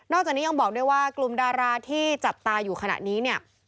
จากนี้ยังบอกด้วยว่ากลุ่มดาราที่จับตาอยู่ขณะนี้เนี่ย